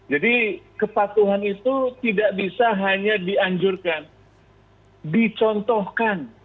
jadi kepatuhan itu tidak bisa hanya dianjurkan dicontohkan